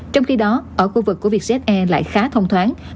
trong khi đó ở khu vực của vietjet air lại khá thông thoáng